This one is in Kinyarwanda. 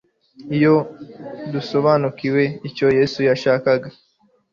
iyo dusobanukiwe icyo yesu yashakaga